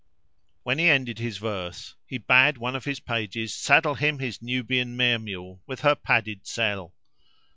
When he ended his verse he bade one of his pages saddle him his Nubian mare mule with her padded selle.